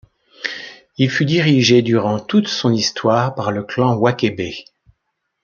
Il fut dirigé durant toute son histoire par le clan Wakebe.